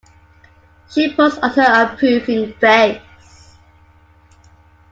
She puts on her approving face.